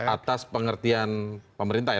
atas pengertian pemerintah ya